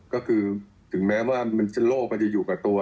ก็คือถึงแม้ว่าโลกมันจะอยู่กับตัว